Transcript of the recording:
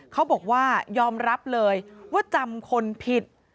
เขาบอกว่ายอมรับเลยว่าจำคนผิด